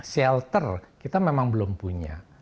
shelter kita memang belum punya